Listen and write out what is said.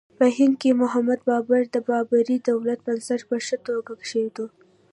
په هند کې محمد بابر د بابري دولت بنسټ په ښه توګه کېښود.